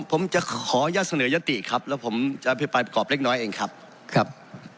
บองจะขอยากระทั่กนึกยาติครับและผมเจอได้ปรับเล็กน้อยอ่ะครับ